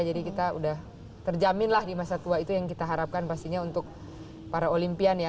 jadi kita udah terjamin lah di masa tua itu yang kita harapkan pastinya untuk para olimpian ya